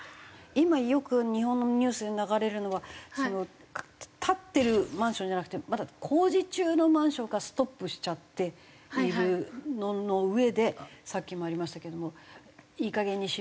今よく日本のニュースに流れるのは立ってるマンションじゃなくてまだ工事中のマンションがストップしちゃっているのの上でさっきもありましたけれども「いいかげんにしろ！」